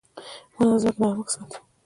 • ونه د ځمکې نرمښت ساتي.